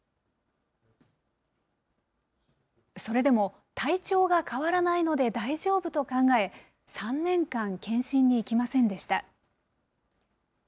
それでも、体調が変わらないので大丈夫と考え、３年間、検診に行きませんでした。